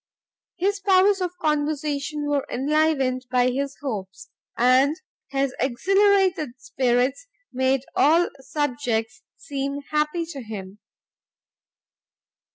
His powers of conversation were enlivened by his hopes; and his exhilarated spirits made all subjects seem happy to him.